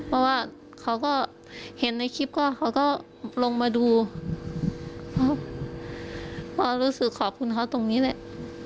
เพราะว่าเขาก็เห็นในคลิปก็เขาก็ลงมาดูเขาก็รู้สึกขอบคุณเขาตรงนี้แหละ